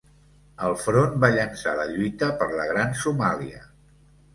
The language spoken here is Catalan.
El Front va llençar la lluita per la Gran Somàlia.